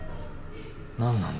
何なんだ？